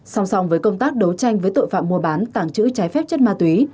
song song với công tác đấu tranh với tội phạm mua bán tàng trữ trái phép chất ma túy